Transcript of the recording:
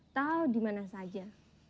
atau dimana saja